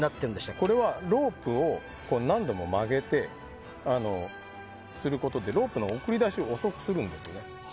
これはロープを何度も曲げることでロープの送り出しを遅くするんですね。